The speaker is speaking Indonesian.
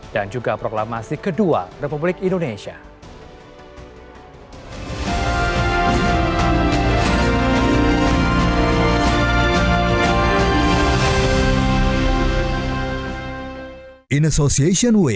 dan juga proklamasi kedua republik indonesia